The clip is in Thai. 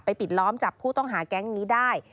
ปิดล้อมจับผู้ต้องหาแก๊งนี้ได้